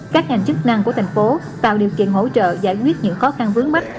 các ngành chức năng của thành phố tạo điều kiện hỗ trợ giải quyết những khó khăn vướng mắt